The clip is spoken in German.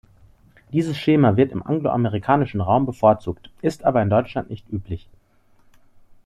Dieses Schema wird im angloamerikanischen Raum bevorzugt, ist aber in Deutschland nicht üblich.